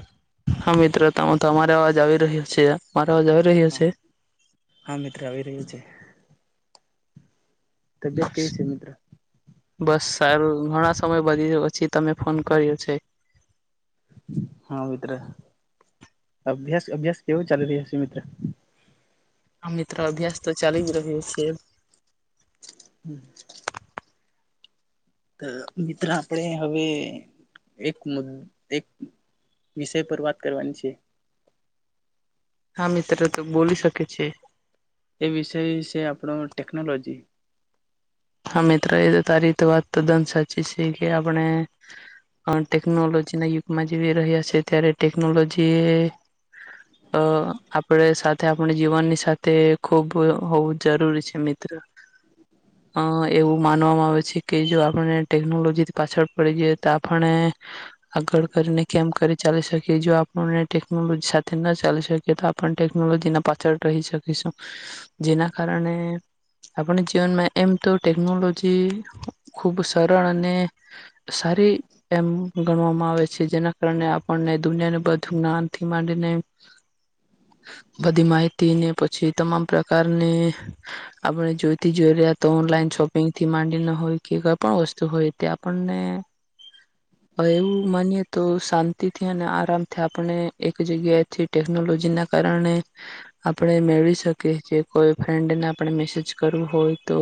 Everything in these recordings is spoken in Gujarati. [inaudible] હા મિત્રો ત હ તો અમારા અવાજ આવી રહ્યો છે મારા અવાજ આવી રહ્યો હા છે હા મિત્ર આવી રહ્યું છે તબિયત કેવી છે મિત્ર બસ સાર ઘણા સમય વધી પછી તમે ફોન કર્યો છે હા મિત્ર અભ્યાસ અભ્યાસ કેવો ચાલી રહ્યા છે મિત્ર આ મિત્ર અભ્યાસ તો ચાલી જ રહ્યો છે હમ મિત્ર આપણે હવે એક મુ એક વિષય પર વાત કરવાની છે હા મિત તરે તો બોલી શકે છે એ વિષય છે આપણો ટેકનોલોજી હા મિત્ર એ તારી વાત ત્દન સાચી છે કે આપણે ટેકનોલોજીના યુગમાં જવી રહ્યા છેએ ત્યારે ટેકનોલોજી આપણે સાથે આપણી જીવનની સાથે ખૂબ હોવું જરૂરી છે મિત્ર અ એવું માનવામાં આવે છે કે જો આપને ટેકનોલોજીથી પાછળ પડી જઈએ તો આપણે આગળ [unintelligible] કેમ કરી ચાલી શકીએ જો આપણને ટેકનોલોજી સાથે ના ચાલી શકીએ તો આપણે ટેકનોલોજી ના પાછળ રહી શકીશું જેના કારણે આપણે જીવનમાં એમ તો ટેકનોલોજી ખૂબ સરળ અને સારી એમ ગણવામાં આવે છે જેના કારણે આપણને દુનિયાને બધું જ્ઞાનથી માંડીને બધી માહિતીને પછી તમામ પ્રકારની આપણે જોઈતી જોઈ રહ તો ઓનલાઈન શોપિંગથી માંડીને હોય કે કોઈ પણ વસ્તુ હોય તે આપણને એવું માનીએ તો શાંતિથી અને આરામથી આપણે એક જગ્યાએથી ટેકનોલોજીના કારણે આપણે મેળવી શકીએ છીએ કોઈ ફ્રેન્ડને આપણે મેસેજ કરવું હોય તો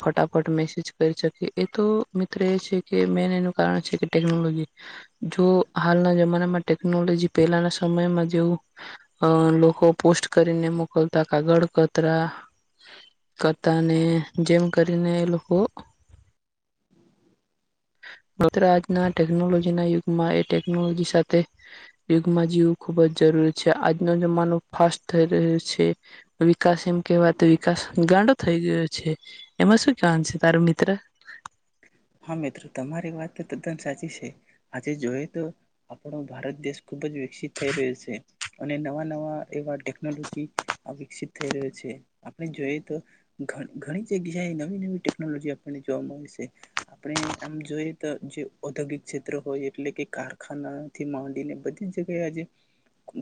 ફટાફટ મેસેજ કરી શકે એ તો મિત્ર એ છે કે મેન એનું કારણ છે કે ટેકનોલોજી જો હાલના જમાનામાં ટેકનોલોજી પહેલાના સમયમાં જેવું લોકો પોસ્ટ કરીને મોકલતા કાગળ કતરા કરતા ને જેમ કરીને એ લોકો મિત્ર આજના ટેકનોલોજીના યુગમાં એ ટેકનોલોજી સાથે યુગમાં જીવ ખુબ જ જરૂરી છે આજનો જમાનો ફાસ્ટ થઈ રહ્યું છે વિકાસ એમ કેવાય તો વિકાસ ગાંડો થઈ ગયો છે એમાં શું કવાનું છે તારો મિત્ર હા મિત્રો તમારી વાત તો તદ્દન સાચી છે આજે જોઈએ તો આપણો ભારત દેશ ખુબ જ વિકસિત થઈ રહ્યું છે અને નવા નવા એવા ટેકનોલોજી આ વિકસિત થઈ રહ્યો છે. આપણે જોઈએ તો ઘણી જગ્યાએ નવી નવી ટેકનોલોજી આપણને જોવા મળે છે. આપણે આમ જોઈએ તો જે ઔદ્યોગિક ક્ષેત્ર હોય એટલે કે કારખાનાથી માંડીને બધી જ જગ્યાએ આજે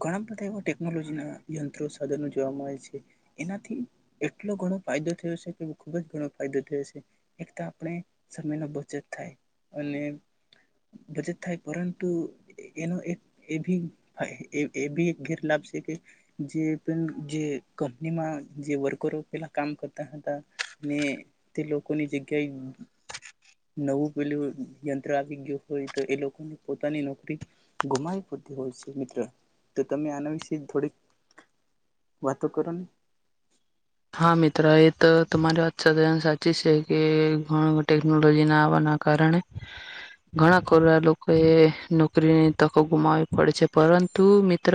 ઘણા બધા એવા ટેકનોલોજી ના યંત્રો સાધનો જોવા મળે છે. એનાથી એટલો ઘણો ફાયદો થયો છે કે ખુબ જ ઘણો ફાયદો થયો છે એક તો આપણે સમયની બચત થાય અને બચત થાય પરંતુ એનો એક એ ભી એ ભી એક ગેરલાભ છે કે જે પણ કંપનીમાં જે વર્કરો પેલા કામ કરતા હતા તે લોકોની જગ્યાએ નવું પેલું યંત્ર આવી ગયું હોય તો એ લોકોને પોતાની નોકરી ગુમાવી પડતી હોય છે મિત્રો. તો તમે આના વિશે થોડીક વાતો કરો ને. હા મિત્ર એ તો તમારી વાત સાચી છે કે ઘના ટેકનોલોજી ના આવવાના કારણે ઘણા ખોરા લોકોએ નોકરીની તકો ગુમાવી પડે છે. પરંતુ મિત્ર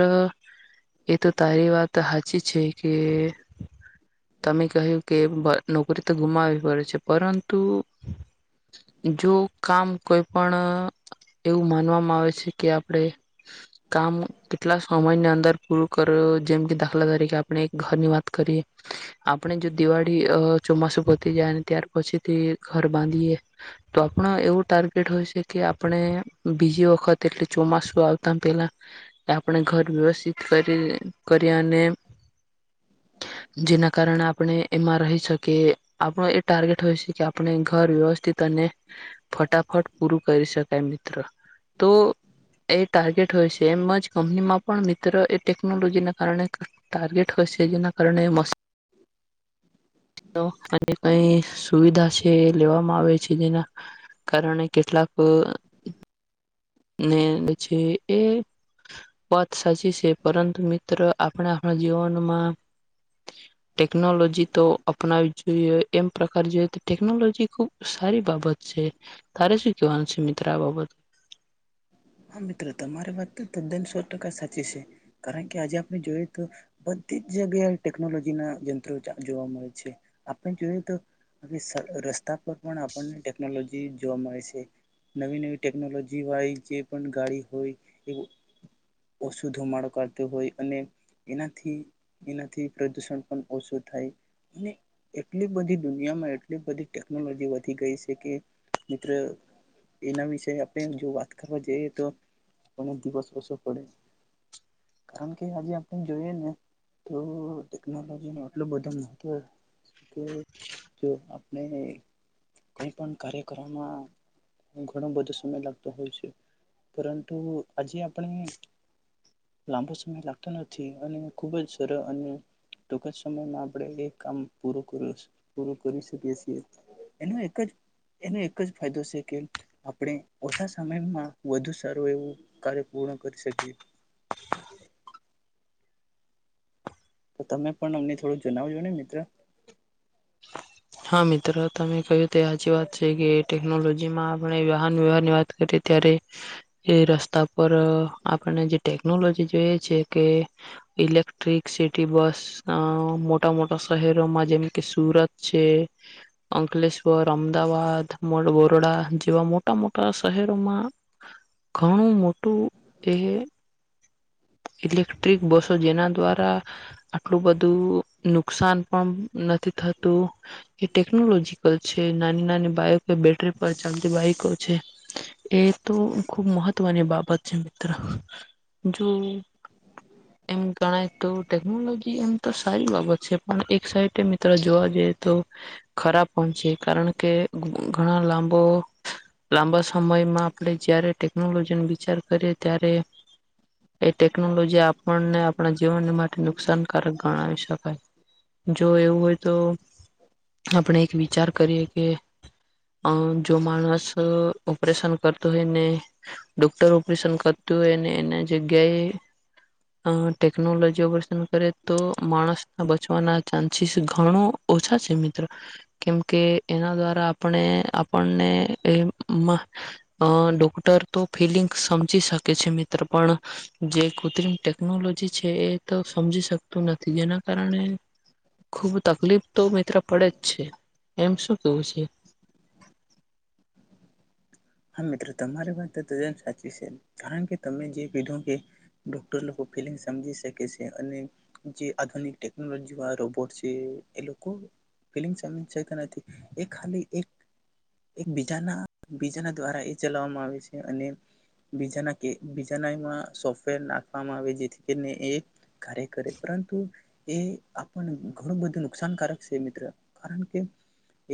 એ તો તારી વાત હાચી છે કે તમે કહ્યું કે નોકરી તો ગુમાવીવી પડે છે. પરંતુ જો કામ કોઈ પણ એવું માનવામાં આવે છે કે આપણે કામ કેટલા સમયની અંદર પૂરું કરો. જેમ કે દાખલા તરીકે આપણે એક ઘરની વાત કરીએ. આપણે જો દિવાળી અ ચોમાસું પતી જાય અને ત્યાર પછીથી ઘર બાંધીએ તો આપણ એવું ટાર્ગેટ હોય છે કે આપણે બીજી વખત એટલે ચોમાસુ આવતા પેલા આપણે ઘર વ્યવસ્થિત કરી કરી અને જેના કારણે આપણે એમાં રહી શકીએ. આપણો એ ટાર્ગેટ હોય છે કે આપણે ઘર વ્યવસ્થિત અને ફટાફટ પૂરું કરી શકાય મિત્ર. તો એ ટાર્ગેટ હોય છે એમ જ કંપનીમાં પણ મિત્ર એ ટેકનોલોજીના કારણે ટાર્ગેટ હોય છે. જેના કારણે [inaudible] અને કઈ સુવિધા છે એ લેવામાં આવે છે જેના કારણે કેટલાક ને છે એ વાત સાચી છે. પરંતુ મિત્ર આપણે આપણા જીવનમાં ટેકનોલોજી તો અપનાવીવી જોઈએ. એમ પ્રકાર જોઈએ ટેકનોલોજી ખુબ સારી બાબત છે. તારે શું કવાન છે મિત્ર આ બાબત? હા મિત્ર તમારી વાત તો તદ્દન સો ટકા સાચી છે. કારણ કે આજે આપણે જોઈએ તો બધી જ જગ્યાએ ટેકનોલોજી ના યંત્રો જોવા મળે છે. આપણે જોયએ તો રસ્તા પર પણ આપણને ટેકનોલોજી જોવા મળે છે નવી નવી ટેકનોલોજી વાળી જે ગાડી હોય ઓછો ધોમાડો કરતો હોય અને એનાથી એનાથી પ્રદુષણ પણ ઓછું થાય અને એટલી બધી દુનિયામાં એટલી બધી ટેકનોલોજી વધી ગઈ છે કે મિત્ર એના વિશે આપણે જો વાત કરવા જઈએ તો અમુક દિવસ ઓસો પડે. કારણ કે આજે આપણે જોઈએ ને તો ટેકનોલોજી નો એટલો બધો મહવ જો આપણે કઈ પણ કાર્ય કરવામાં ઘણો બધો સમય લાગતો હોય છે. પરંતુ આજે આપણે લાંબો સમય લાગતો નથી અને ખુબ જ સરળ અને ટૂંક જ સમયમાં આપણે એ કામ પૂરુ કરયુ પૂરું કરી શકીએ છીએ. એનો એક જ એનો એક જ ફાયદો શે કે આપણે ઓછા સમયમાં વધુ સારું એવું કાર્ય પૂર્ણ કરી શકીએ. તો તમે પણ અમને થોડું જણાવજો ને મિત્ર હા મિત્ર તમે કહ્યું તો સાચી વાત છે કે ટેકનોલોજીમાં આપણે વાહન વ્યવહારની વાત કરીએ ત્યારે એ રસ્તા પર આપને જે ટેકનોલોજી જોઈએ છે કે ઇલેક્ટ્રિક સિટી બસ મોટા મોટા શહેરોમાં જેમ કે સુરત છે અંકલેશ્વર, અમદાવાદ, બોરોડા જેવા મોટા મોટા શહેરોમાં ઘણું મોટું એ ઇલેક્ટ્રિક બસો જેના દ્વારા આટલું બધું નુકસાન પણ નથી થત તુ એ ટેકનોલોજીકલ છે નાની નાની બાઈકો બેટરી પર ચાલતી બાઈકો છે. એ તો ખુબ મહત્વની બાબત છે મિત્ર. જો એમ ગણાય તો ટેકનોલોજી એમ તો સારી બાબત છે પણ એક સાઇડ મિત્ર જોવા તો ખરાબ પણ છે. કારણ કે ઘણા લાંબો લાંબા સમયમાં આપણે જયારે ટેકનોલોજી ન વિચાર કરીએ ત્યારે એ ટેકનોલોજી આપણને આપણા જીવનને માટે નુકસાનકારક ગણાવી શકાય. જો એવું હોય તો આપણે એક વિચાર કરીએ કે અ જો માણસ ઓપરેશન કરતો હોયને ડોક્ટર ઓપરેશન કરતો હોયને એના જગ્યાએ ટેકનોલોજી ઓપરેશન કરે તો માણસ બચવાના ચાન્સીસ ઘણો ઓછા છે મિત્રો કેમકે એના દ્વારા આપણે આપણને અ ડોક્ટર તો ફિલિંગ્ સમજી શકે છે મિત્ર પણ જે કૃત્રિમ ટેકનોલોજી છે એ તો સમજી શકતું નથી જેના કારણે ખુબ તકલીફ તો મિત્ર પડે જ છે એમ શું કેવું છે? હા તમારી વાત સાચી છે કારણ કે તમે જે કીધો કે ડોક્ટર ફલ સમજી શકે છે અને જે આધુનિક ટેકનોલોજી રોબોટ છે એ લોકો ફ સમકતા નથી એ ખાલીજાના બ દ્વારા એ ચલાવવામાં આવે છે અને બીજાના બીજાનામાં સોફ્ટવેર નાખવામાં આવે જેથી કાર્ય કરે પરંતુ એ આપ ઘણું બધું નુકસાનકારક છે મિત્ર કારણ કે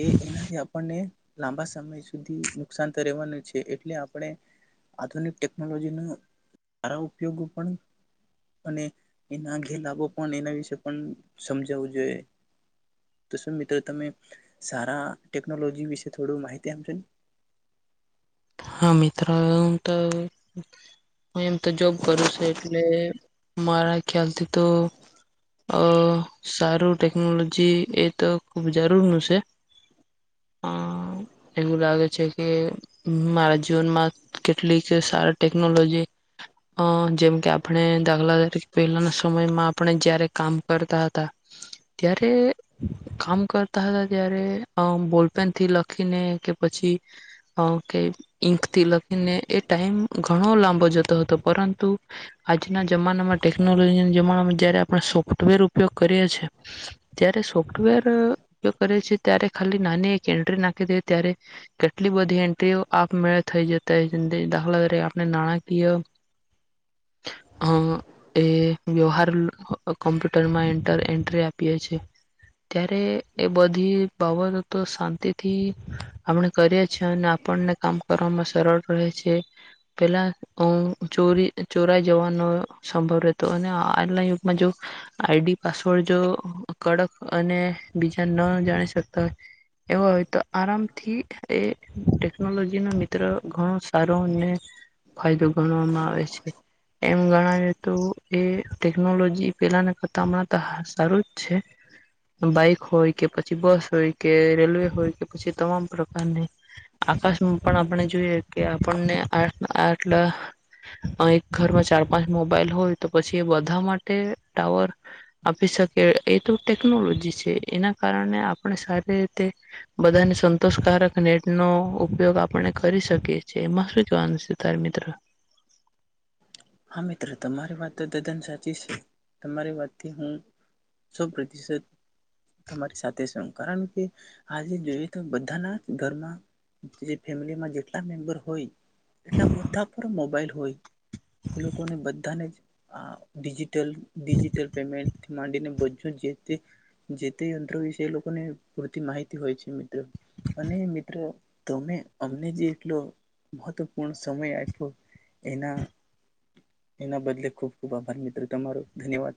એ એનાથી આપણને લાંબા સમય સુધી નુકસાન વા એટલે આપણે આધુનિક ટેકનોલોજી ન સારા ઉપયોગો પણ અને એના ઘે લાભો પણ એના વિશે પણ સમજાવું જોઈએ તો શ મિત્રો તમે સારા ટેકનોલોજી વિશે થોડું માહિતી આપશો ને. હા મિત્રોમ તો હું એમ તો જોબ કરું છ એટલે મારા ખ્યાલથી તો અ સારું ટેકનોલોજી એ તો ખૂબ જરૂરનું છે અ એવું લાગે છે કે મારા જીવનમાં કેટલીક સારા ટેકનોલોજી અ જેમ કે આપણે દાખલા તરીકે પહેલાના સમયમાં આપણે જયારે કામ કરતા હતા ત્યારે કામ કરતા હતા ત્યારે બોલપેનથી લખીને કે પછી કે ઈંકથી લખીને એ ટાાઈમ ઘણો લાંબો જતો હતો પરંતુ આજના જમાનામાં ટેકનોલોજીના જમાનામાં જયારે આપણે સોફ્ટવેર ઉપયોગ કરીએ છ છેએ ત્યારે સોફ્ટવેર ઉપયોગ કરીએ છીએ ત્યારે ખાલી નાની એક એન્ટ્રી નાખી દે ત્યારે કેટલી બધી એ તે આપમેળ થઈ જતા દાખલા તરી આપણે નાણાકીય એ વ્યવહાર કોમ્પ્યુટરમાંર એન્ટ્રી આપીએ છેએ ત્યારે એ બધી બાબતો તો શાંતિથી આપણે કરીએ છ છેએ અને આપણને કામ કરવામાં સરળ રહે છે પેલા ચોરી ચોરાઈ જવાનો સંભવ રહેતો અને આના યુગમાં જો આઈડી પાસવર્ડ જો કડક અને બીજા ન જાણી શકતા હોય એવા હોય તો આરામથી એ ટેકનોલોજી ના મિત્ર ઘણો સારો અને ફાયદો ગણવામાં આવે છે એમ ગણાવએ તો એ ટેકનોલોજી પેલાના કરતા સારું જ છે બાઈક હોય કે પછી બસ હોય કે રેલવે હોય કે પછી તમામ પ્રકારની આકાશમાં પણ આપણે જોઈએ કે આપણને આ આટલા અ ઘરમાં ચાર પાંચ મોબાઈલ હોય તો પછી એ બધા માટે ટાવર આપી શકે એ તો ટેકનોલોજી છે એના કારણે આપણે સારી રીતે બધાને સંતોષકારક નેટનો ઉપયોગ આપણે કરી શકીએ છીએ એમાં શું કવાનું છે તાર મિત્ર. હા મિત્ર તમારી વાત તો તદ્દન સાચી છે તમારી વાતથી હું સો પ્રતિશત તમારી સાથે છ કારણ કે આજે જોઈએ તો બધાના જ ઘરમાં જે ફેમિલીમાં જેટલા મેમ્બર હોય એટલા બધા પર મોબાઈલ હોય. એ લોકોને બધાને જિ ટલ ડીજિટલ પેમેન્ટ થી માંડીને બું જે તે જે તે યંત્રો વિશે એ લોકોને પૂરતી માહિતી હોય છે મિત્રો અને મિત્રો તમે અમને જે એટલો મહત્વપૂર્ણ સમય આપ્યો એના એના બદલે ખૂબ ખૂબ આભાર મિત્રો તમારો ધન્યવાદ.